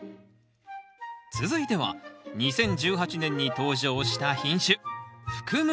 続いては２０１８年に登場した品種